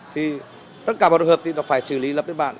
thì tất cả bộ trường hợp thì nó phải xử lý lập tức bạn